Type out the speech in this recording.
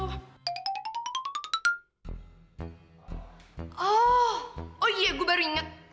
oh oh iya gue baru inget